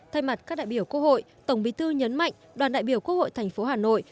thay mặt các đại biểu quốc hội tổng bí thư nhấn mạnh đoàn đại biểu quốc hội thành phố hà nội